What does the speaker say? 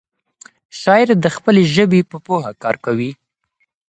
شاعر د خپلې ژبې په پوهه کار کوي.